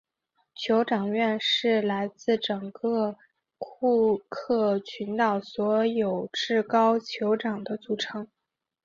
酋长院是来自整个库克群岛所有至高酋长的组成。